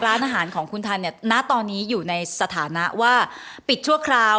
ร้านอาหารของคุณทันเนี่ยณตอนนี้อยู่ในสถานะว่าปิดชั่วคราว